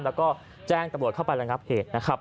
แล้วก็แจ้งตรรวจเข้าไประนับเหตุ